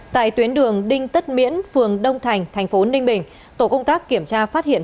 tại tuyến đường đinh tất miễn phường đông thành thành phố ninh bình tổ công tác kiểm tra phát hiện